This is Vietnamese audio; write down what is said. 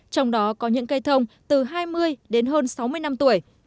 trong đó có những cây thông từ hai mươi đến hơn sáu mươi năm tuổi